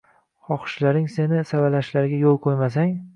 Xohishlaring seni savalashlariga yo’l qo’ymasang